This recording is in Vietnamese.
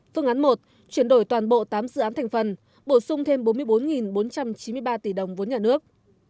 phương án một chuyển đổi toàn bộ tám dự án thành phần bổ sung thêm bốn mươi bốn bốn trăm chín mươi ba tỷ đồng vốn nhà nước